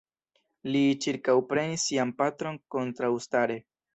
Li ĉirkaŭprenis sian patron kontraŭstare.